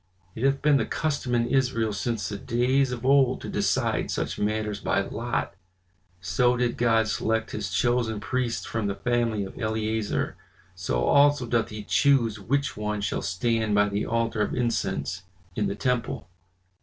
"It hath been the custom in Israel since the days of old to decide such matters by lot. So did God select his chosen priests from the family of Eleazar. So also doth he chose which one shall stand by the altar of incense in the temple."